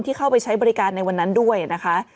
เข้าไปใช้บริการในวันนั้นด้วยนะคะ